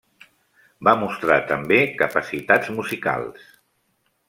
Va mostrar, també, capacitats musicals.